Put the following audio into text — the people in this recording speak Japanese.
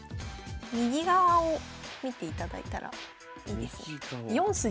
右側を見ていただいたらいいですね。右側。